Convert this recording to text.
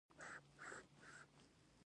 انار د تودوخې ضد مېوه ده.